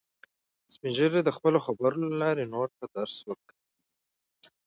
سپین ږیری د خپلو خبرو له لارې نورو ته درس ورکوي